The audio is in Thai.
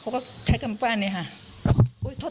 เขาก็ใช้คำว่าอันนี้ครับ